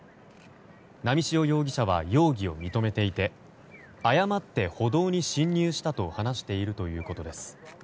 波汐容疑者は容疑を認めていて誤って歩道に侵入したと話しているということです。